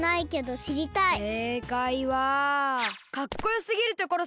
せいかいはかっこよすぎるところさ！